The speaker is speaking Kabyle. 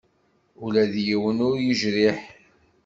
Ula d yiwen ur yejriḥ.